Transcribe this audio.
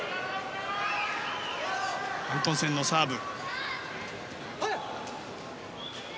アントンセンのサーブ。